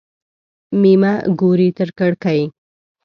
مېمه ګوري تر کړکۍ.